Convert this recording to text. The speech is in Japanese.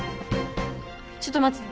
ちょっと待ってて。